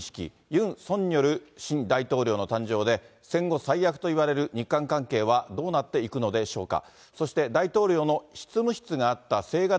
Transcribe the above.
ユン・ソンニョル新大統領の誕生で、戦後最悪といわれる日韓関係はどうなっていくのでしょうか。